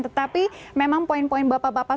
tetapi memang poin poin bapak bapak